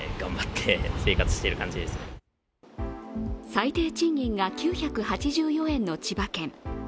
最低賃金が９８４円の千葉県。